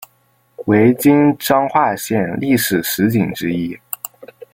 为今彰化县历史十景之一。